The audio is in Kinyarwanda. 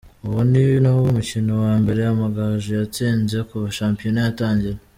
Uwo ni nawo mukino wa mbere Amagaju yatsinze kuva shampiyona yatangira.